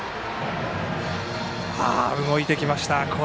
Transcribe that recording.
動いてきました。